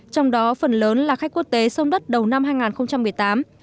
trong đó phần lớn là khách quốc tế sông đất đầu năm hai nghìn một mươi tám